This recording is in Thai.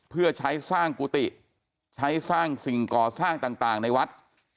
เพื่อใช้สร้างกุฏิใช้สร้างสิ่งก่อสร้างต่างในวัด